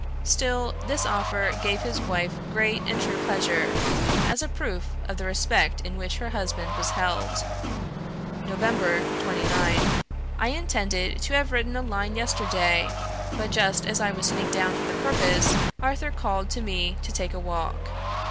Still, this offer gave his wife great and true pleasure, as a proof of the respect in which her husband was held. "Nov. 29. "I intended to have written a line yesterday, but just as I was sitting down for the purpose, Arthur called to me to take a walk.